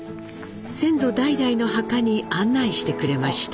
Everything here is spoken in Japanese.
先祖代々の墓に案内してくれました。